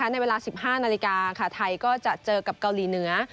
ในเวลา๑๕นาฬิกาไทยก็จะเจอกับเกาหลีเหนือ